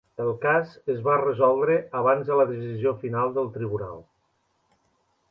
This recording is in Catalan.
El cas es va resoldre abans de la decisió final del tribunal.